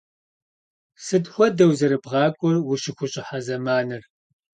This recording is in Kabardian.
Sıt xuedeu zerıbğak'uer vuşıxuş'ıhe zemanır?